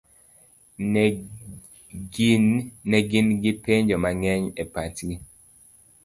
Ne gin gi penjo mang'eny e pachgi.